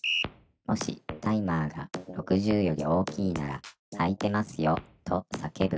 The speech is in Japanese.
「もしタイマーが６０より大きいなら『開いてますよ』とさけぶ」